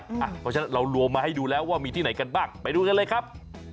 เพราะฉะนั้นเรารวมมาให้ดูแล้วว่ามีที่ไหนกันบ้างไปดูกันเลยครับ